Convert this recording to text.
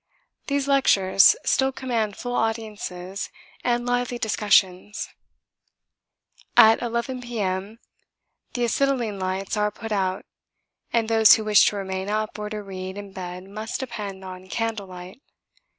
These lectures still command full audiences and lively discussions. At 11 P.M. the acetylene lights are put out, and those who wish to remain up or to read in bed must depend on candle light.